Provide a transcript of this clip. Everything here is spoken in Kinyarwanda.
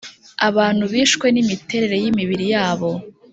abantu bishwe ni imiterere y imibiri yabo